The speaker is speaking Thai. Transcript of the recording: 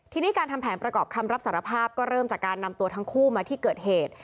ทีนี้การทำแผนประกอบคำรับสารภาพก็เริ่มจากการนำตัวทั้งคู่มาที่เกิดเหตุ